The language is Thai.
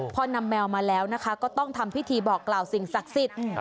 พอนำแมวมาแล้วนะคะก็ต้องทำพิธีบอกกล่าวสิ่งศักดิ์สิทธิ์